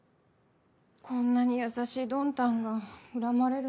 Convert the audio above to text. こんなに優しいドンタンが恨まれるなんて。